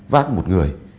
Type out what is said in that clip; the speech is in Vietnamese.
vác một người